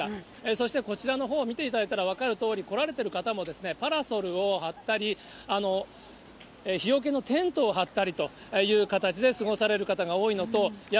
そしてこちらのほう見ていただいたら分かるとおり、来られている方もパラソルを張ったり、日よけのテントを張ったりという形で過ごされる方が多いのと、や